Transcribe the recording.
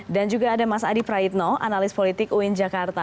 dan juga ada mas adi praitno analis politik uin jakarta